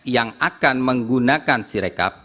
yang akan menggunakan si rekap